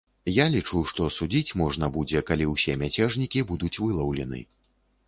Я лічу, што судзіць можна будзе, калі ўсе мяцежнікі будуць вылаўлены.